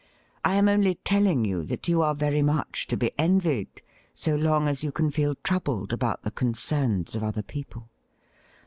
I am only telling you that you are very much to be envied, so long as you can feel troubled about the concerns of other people.'